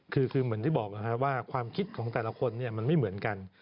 คือเหมือนที่บอกว่าความคิดของแต่ละคนมันไม่เหมือนกัน